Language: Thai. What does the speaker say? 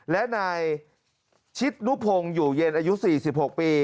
และนายชิดนุพงศ์อยู่เย็นอายุ๔๖ปี